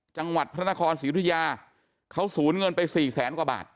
จังหวัดพระนครศรีอุทยาเขาสูญเงินไปสี่แสนกว่าบาท